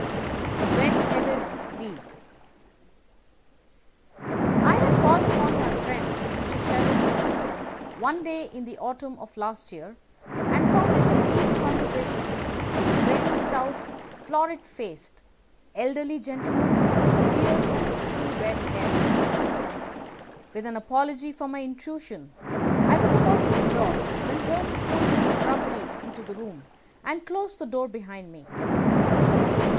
THE RED HEADED LEAGUE I had called upon my friend, Mr. Sherlock Holmes, one day in the autumn of last year and found him in deep conversation with a very stout, florid faced, elderly gentleman with fiery red hair. With an apology for my intrusion, I was about to withdraw when Holmes pulled me abruptly into the room and closed the door behind me.